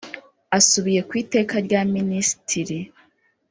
asubiye ku iteka rya minisitirti